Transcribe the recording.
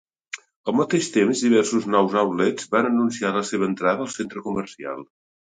Al mateix temps, diversos nous outlets van anunciar la seva entrada al centre comercial.